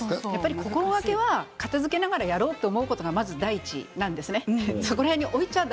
心がけは片づけながらやろうというのがポイントなんです。